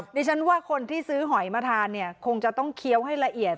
ดิฉันว่าคนที่ซื้อหอยมาทานเนี่ยคงจะต้องเคี้ยวให้ละเอียด